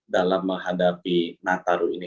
dalam menghadapi nataru ini